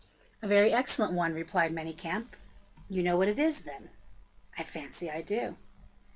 "A very excellent one," replied Manicamp. "You know what it is, then?" "I fancy I do."